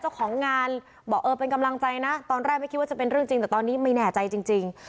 เจ้าของงานบอกเออเป็นกำลังใจนะตอนแรกไม่คิดว่าจะเป็นเรื่องจริงแต่ตอนนี้ไม่แน่ใจจริง